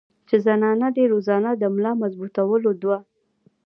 چې زنانه دې روزانه د ملا مضبوطولو دوه